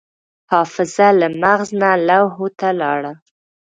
حافظه له مغز نه لوحو ته لاړه.